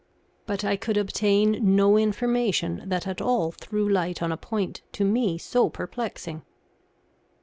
But I could obtain no information that at all threw light on a point to me so perplexing.